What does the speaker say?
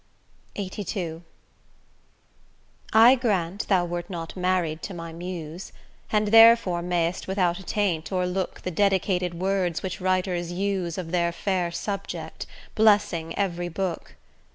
LXXXII I grant thou wert not married to my Muse, And therefore mayst without attaint o'erlook The dedicated words which writers use Of their fair subject, blessing every book.